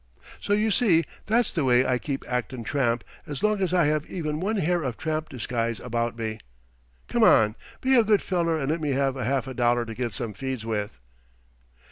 So you see that's the way I keep acting tramp as long as I have even one hair of tramp disguise about me. Come on, be a good feller and let me have half a dollar to get some feeds with."